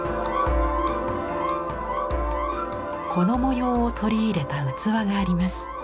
この模様を取り入れた器があります。